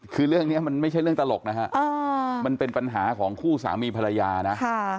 คือเรื่องนี้มันไม่ใช่เรื่องตลกนะฮะมันเป็นปัญหาของคู่สามีภรรยานะ